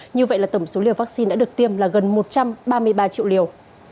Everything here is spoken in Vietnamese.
như vậy là tổng số liều vaccine đã được tiêm là gần một trăm ba mươi ba triệu liều